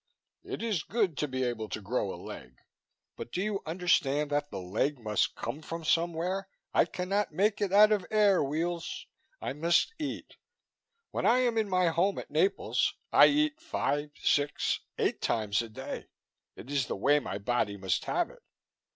It is good to be able to grow a leg, but do you understand that the leg must come from somewhere? I cannot make it out of air, Weels I must eat. When I am in my home at Naples, I eat five, six, eight times a day; it is the way my body must have it.